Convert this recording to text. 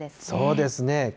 そうですね。